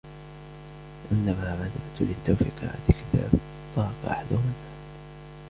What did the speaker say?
عندما بدأت للتو في قراءة الكتاب طرق احدهم الباب.